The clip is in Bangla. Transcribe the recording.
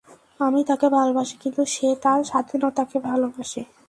আমি তাকে ভালোবাসি, কিন্তু সে তার স্বাধীনতাকে ভালবাসে।